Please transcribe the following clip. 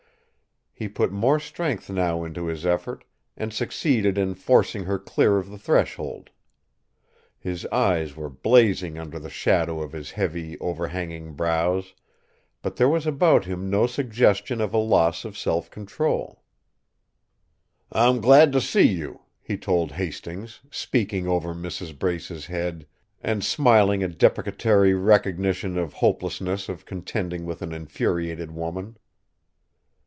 He put more strength now into his effort and succeeded in forcing her clear of the threshold. His eyes were blazing under the shadow of his heavy, overhanging brows; but there was about him no suggestion of a loss of self control. "I'm glad to see you!" he told Hastings, speaking over Mrs. Brace's head, and smiling a deprecatory recognition of the hopelessness of contending with an infuriated woman.